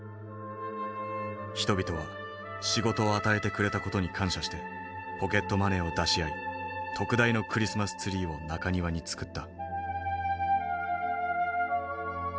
人々は仕事を与えてくれた事に感謝してポケットマネーを出し合い特大のクリスマスツリーを中庭に作った。